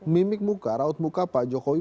mimik muka raut muka pak jokowi